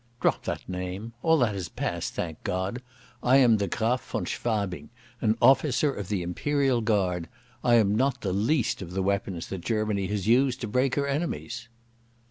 "Drop that name. All that is past, thank God! I am the Graf von Schwabing, an officer of the Imperial Guard. I am not the least of the weapons that Germany has used to break her enemies."